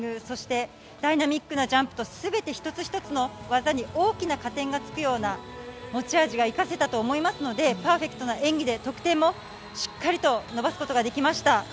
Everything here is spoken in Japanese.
そしてダイナミックなジャンプと全て１つ１つの技に大きな加点がつくような持ち味が生かせたと思いますのでパーフェクトな演技で得点もしっかりと伸ばすことができました。